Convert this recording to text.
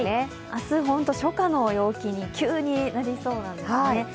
明日、初夏の陽気に急になりそうなんですね。